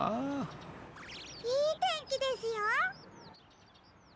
いいてんきですよ。